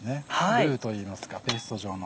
ルーといいますかペースト状の。